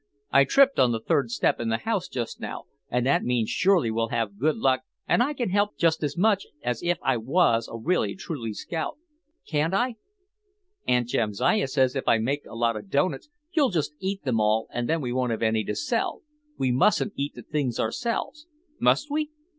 I tripped on the third step in the house just now and that means surely we'll have good luck and I can help just as much as if I was a really truly scout, can't I? Aunt Jamsiah says if I make a lot of doughnuts you'll just eat them all and there won't be any to sell. We mustn't eat the things ourselves, must we?"